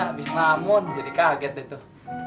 habis ngamon jadi kaget deh tuh